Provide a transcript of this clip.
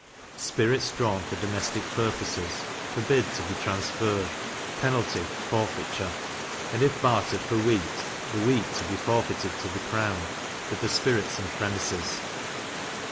Spirits drawn for domestic purposes, forbid to be transferred; penalty, forfeiture; and, if bartered for wheat, the wheat to be forfeited to the crown, with the spirits and premises.